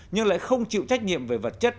nhưng lại không chịu trách nhiệm về vật chất